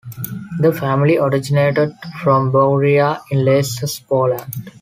The family originated from Bogoria in Lesser Poland.